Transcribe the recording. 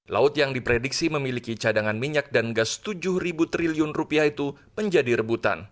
laut yang diprediksi memiliki cadangan minyak dan gas tujuh triliun rupiah itu menjadi rebutan